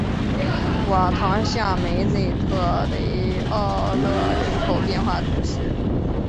瓦唐下梅内特雷奥勒人口变化图示